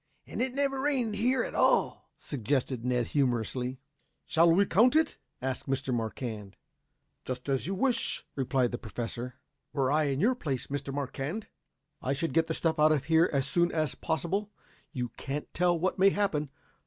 And it never rained here at all," suggested Ned humorously. "Shall we count it?" asked Mr. Marquand. "Just as you wish," replied the Professor. "Were I in your place, Mr. Marquand, I should get the stuff out of here as soon as possible. You can't tell what may happen.